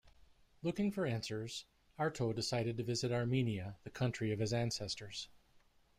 Looking for answers, Arto decided to visit Armenia, the country of his ancestors.